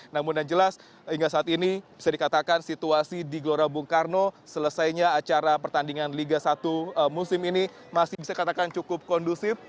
namun yang jelas hingga saat ini bisa dikatakan situasi di gelora bung karno selesainya acara pertandingan liga satu musim ini masih bisa dikatakan cukup kondusif